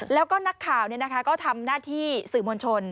แล้วก็นักข่าวก็ทำหน้าที่สื่อมวลชน